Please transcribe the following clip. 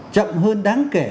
chậm hơn đáng kể